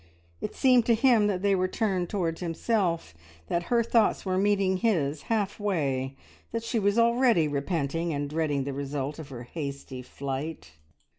It seemed to him that they were turned towards himself, that her thoughts were meeting his half way, that she was already repenting, and dreading the result of her hasty flight.